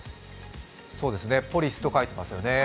ポリスと書いてますね。